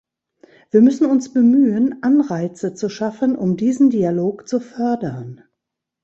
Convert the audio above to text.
Wir müssen uns bemühen, Anreize zu schaffen, um diesen Dialog zu fördern.